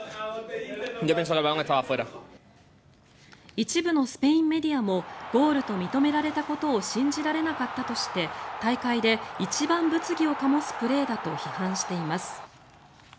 一部のスペインメディアもゴールと認められたことを信じられなかったとして大会で一番物議を醸すプレーだと批判しています。